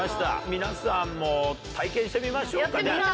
皆さんも体験してみましょうかね。